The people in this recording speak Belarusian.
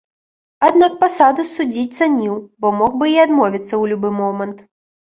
Аднак пасаду суддзі цаніў, бо мог бы і адмовіцца ў любы момант.